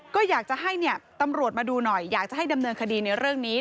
ก็อยากจะให้ตำรวจมาดูหน่อยอยากจะให้ดำเนินคดีในเรื่องนี้